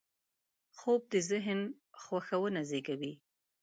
خوب د ذهن خوښونه زېږوي